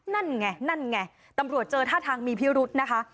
นั่นไงนั่นไงตำรวจเจอท่าทางมีพิรุธนะคะ